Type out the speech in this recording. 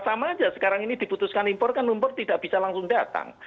sama aja sekarang ini diputuskan impor kan impor tidak bisa langsung datang